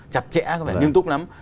chặt chẽ có lẽ nghiêm túc lắm